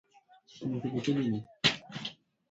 منډه د درملو پر ځای فایده لري